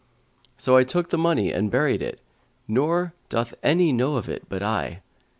So I took the money and buried it; nor doth any know of it but I.